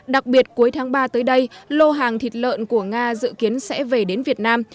đặc biệt cuối tháng ba tới đây lô hàng thịt lợn của nga dự kiến sẽ về đến việt nam